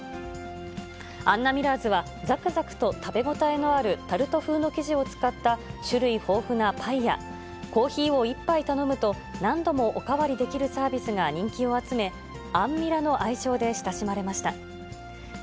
アンナミラーズは、ざくざくと食べ応えのあるタルト風の生地を使った種類豊富なパイや、コーヒーを１杯頼むと何度もお代わりできるサービスが人気を集め、アンミラの愛称で親しまれました。